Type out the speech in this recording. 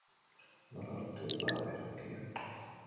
Nola hartu da erabakia?